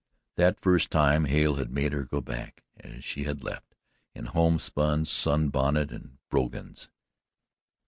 That first time Hale had made her go back as she had left, in home spun, sun bonnet and brogans.